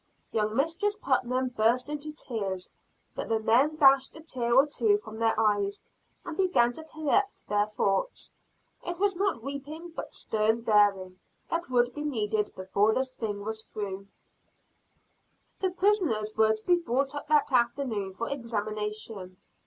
Young Mistress Putnam burst into tears. But the men dashed a tear or two from their eyes, and began to collect their thoughts. It was not weeping but stern daring, that would be needed before this thing was through. The prisoners were to be brought up that afternoon for examination.